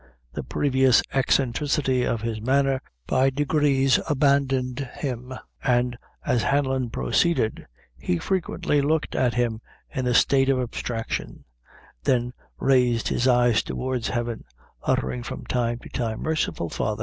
The previous eccentricity of his manner by degrees abandoned him; and as Hanlon proceeded, he frequently looked at him in a state of abstraction, then raised his eyes towards heaven, uttering, from time to time, "Merciful Father!"